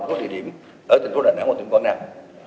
một địa điểm ở thành phố đà nẵng hoặc thành phố đà nẵng